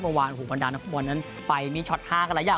เมื่อวานหูบรรดานักภูมิวันนั้นไปมีช็อตทางกันหลายอย่าง